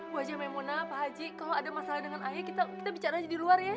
wajah memona pak haji kalau ada masalah dengan ayah kita bicara aja di luar ya